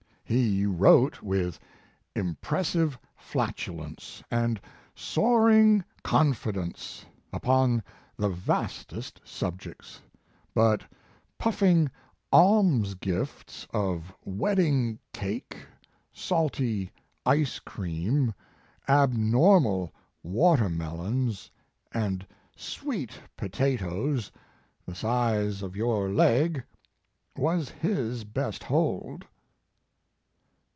"He wrote with impressive flatulence and soaring confidence upon the vastest subjects; but puffing alms gifts of wed ding cake, salty ice cream, abnormal watermelons, and sweet potatoes the size of your leg was his best hold."